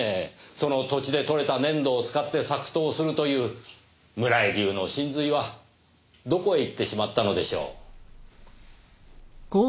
その土地でとれた粘土を使って作陶するという村井流の神髄はどこへ行ってしまったのでしょう？